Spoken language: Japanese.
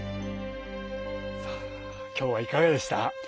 今日はいかがでした？